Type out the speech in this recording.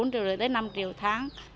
bốn triệu đến năm triệu tháng